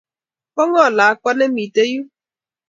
Po ng'o lakwa ne mite yun?